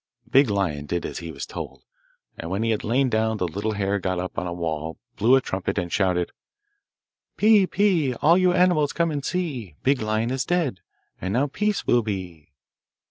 Big Lion did as he was told, and when he had lain down the little hare got up on a wall blew a trumpet and shouted Pii, pii, all you animals come and see, Big Lion is dead, and now peace will be.